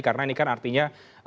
karena ini kan artinya